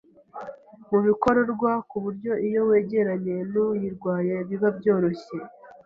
mu bikororwa, ku buryo iyo wegeranye n’uyirwaye biba byoroshye